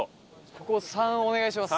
ここ３お願いします。